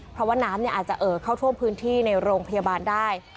เพราะว่าน้ำอาจจะเอ่อเข้าท่วมพื้นที่ในโรงพยาบาลได้